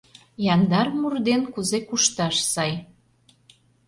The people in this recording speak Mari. Яндар мур ден кузе кушташ сай.